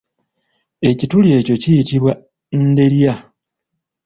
Ekituli ekyo kiyitibwa nderya.